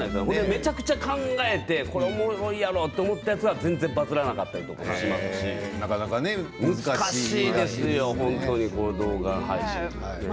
めちゃくちゃ考えてこれいいなと思ったやつは全然バズらなかったりしますし難しいですよ、本当に動画配信は。